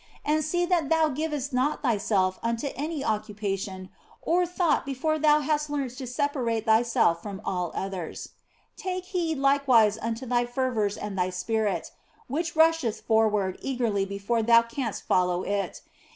And see that thou givest not thyself unto any occupation or thought before thou hast learnt to separate thyself from all others. Take heed likewise unto thy fervours and thy spirit, which rusheth forward eagerly before thou canst follow it.